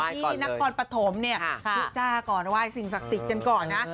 ที่นักกรปฐมทุกจ้ากรไหว้สิ่งศักดิ์สิทธิ์กันก่อนนะ